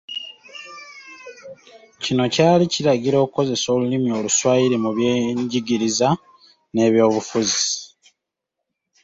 Kino kyali kiragira okukozesa olulimi oluswayiri mu byengiriza n’eby’obufuzi.